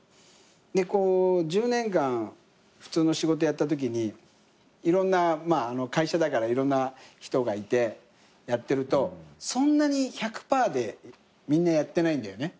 でこう１０年間普通の仕事やったときにまあ会社だからいろんな人がいてやってるとそんなに１００％でみんなやってないんだよね。